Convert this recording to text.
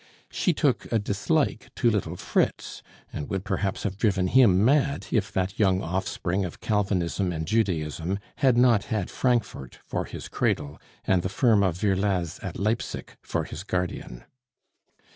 She took a dislike to little Fritz, and would perhaps have driven him mad if that young offspring of Calvinism and Judaism had not had Frankfort for his cradle and the firm of Virlaz at Leipsic for his guardian.